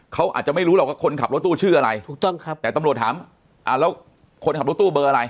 เขาอาจจะไม่รู้หรอกว่าคนขับรถตู้ชื่ออะไรถูกต้องครับแต่ตำรวจถามอ่าแล้วคนขับรถตู้เบอร์อะไร